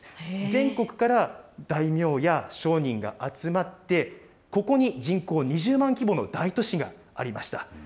全国から大名や商人が集まって、ここに人口２０万規模の大都市がありました。